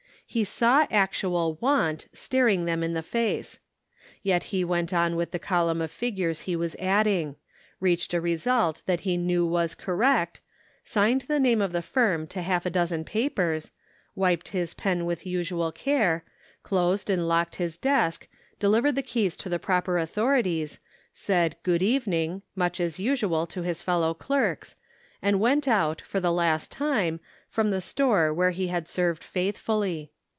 He saw actual want staring them in the face. Yet he went on with the column of figures he was adding ; reached a result that he knew was correct, signed the name of the firm to half a dozen papers, wiped his pen with usual care, closed and locked his desk, delivered the keys to the proper author ities, said " Good evening " much as usual to his fellow clerks, and went out, for the last time, from the store where he had served faith fully.